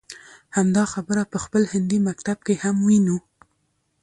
همدا خبره په خپل هندي مکتب کې هم وينو.